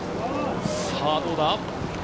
さぁ、どうだ？